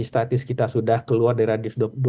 statis kita sudah keluar dari